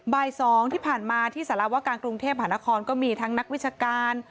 บ่าย๒ที่ผ่านมาที่สารวการกรุงเทพหานครก็มีทั้งนักวิชาการ